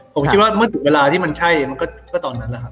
ผมคิดว่าเมื่อถึงเวลาที่มันใช่มันก็ตอนนั้นแหละครับ